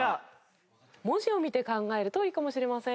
文字を見て考えるといいかもしれません。